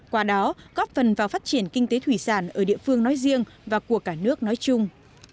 qua đó góp phần vào phát triển kinh tế thủy sản ở địa phương nói riêng và của cả nước nói chung